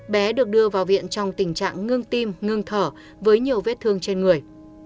bé được đưa vào viện trong tình trạng ngưng tim ngưng thở với nhiều vết thương trên người